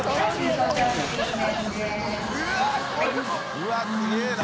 うわっすげぇな。